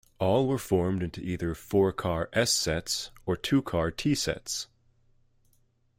All were formed into either four car S sets or two car T sets.